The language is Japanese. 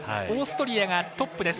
オーストリアがトップ。